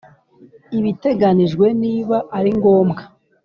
Ibiteganijwe niba ari ngombwa